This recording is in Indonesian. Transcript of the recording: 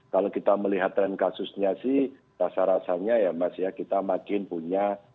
kalau kita melihat tren kasusnya sih rasa rasanya ya mas ya kita makin punya